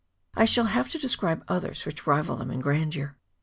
I shall have to describe others which rival them in grandeur.